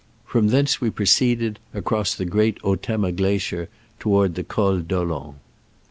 From thence we proceeded across the great Otemma glacier toward the Col d'Olen.